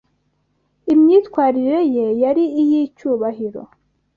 Imyitwarire ye yari iy'icyubahiro.